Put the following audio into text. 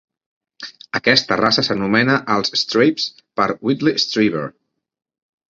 Aquesta raça s'anomena els Streibs per Whitley Strieber.